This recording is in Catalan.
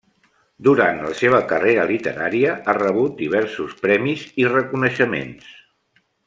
Durant la seva carrera literària ha rebut diversos premis i reconeixements.